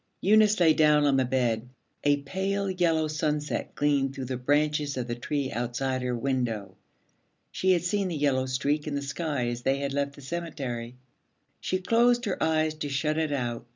Eunice lay down on the bed. A pale yellow sunset gleamed through the branches of the tree outside her window. She had seen the yellow streak in the sky as they had left the cemetery. She closed her eyes to shut it out.